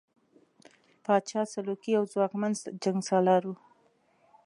پاچا سلوکو یو ځواکمن جنګسالار وو.